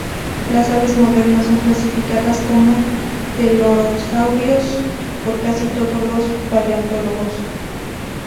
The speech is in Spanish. Las aves modernas son clasificadas como celurosaurios por casi todos los paleontólogos.